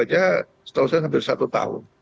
uji cobanya setahun selesai hampir satu tahun